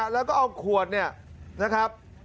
แล้วก็เอาขวดเนี่ยนะครับ